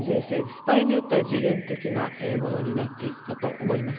場合によっては、時限的なものになっていくかと思います。